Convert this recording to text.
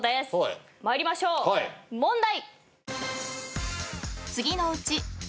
参りましょう問題。